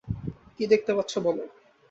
কি দেখতে পাচ্ছো বলো।